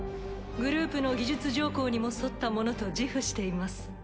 グループの技術条項にも沿ったものと自負しています。